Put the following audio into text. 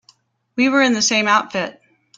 We were in the same outfit.